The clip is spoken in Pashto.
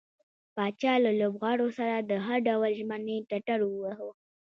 پاچا له لوبغاړو سره د هر ډول ژمنې ټټر واوهه.